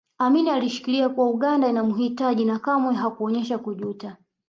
Amin alishikilia kuwa Uganda inamuhitaji na kamwe hakuonyesha kujuta